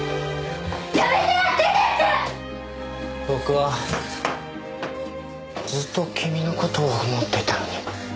僕はずっと君の事を思っていたのに。